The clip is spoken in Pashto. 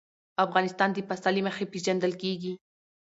افغانستان د پسه له مخې پېژندل کېږي.